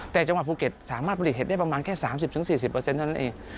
แต่จังหวัดภูเก็ตสามารถผลิตเห็ดได้ประมาณแค่๓๐๔๐เท่านั้นเอง